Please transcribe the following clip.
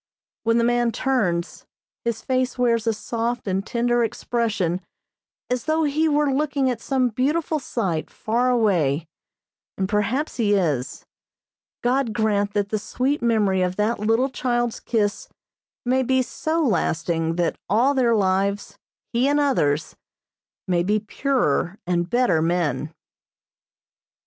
When the man turns, his face wears a soft and tender expression as though he were looking at some beautiful sight far away, and, perhaps, he is. God grant that the sweet memory of that little child's kiss may be so lasting that all their lives, he and others, may be purer and better men.